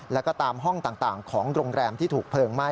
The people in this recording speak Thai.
แล้วก็ตามห้องต่างของโรงแรมที่ถูกเพลิงไหม้